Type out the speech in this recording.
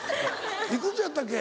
幾つやったっけ？